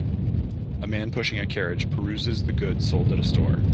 A man pushing a carriage peruses the goods sold at a store.